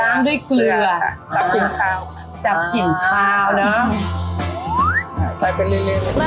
ล้างด้วยเกลือจับกลิ่นข้าวจับกลิ่นข้าวเนอะอ่าใส่ไปเรื่อยเรื่อย